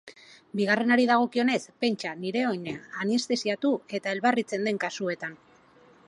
Bigarrenari dagokionez, pentsa nire oina anestesiatu edo elbarritzen den kasuetan.